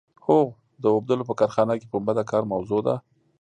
هو د اوبدلو په کارخانه کې پنبه د کار موضوع ده.